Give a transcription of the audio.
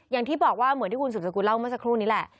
อย่างที่บอกว่าเหมือนที่คุณสุดสกุลเล่าเมื่อสักครู่นี้แหละ